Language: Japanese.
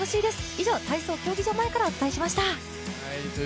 以上、体操競技場前からお伝えしました。